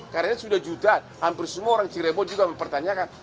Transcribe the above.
karena sudah judan hampir semua orang cirebon juga mempertanyakan